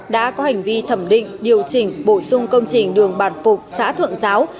đã có hành vi thẩm định điều chỉnh bổ sung công trình đường bản phục xã thượng giáo